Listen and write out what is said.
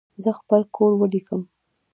زه خپل کور ولیکم.